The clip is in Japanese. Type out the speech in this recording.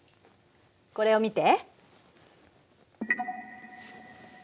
これを見て。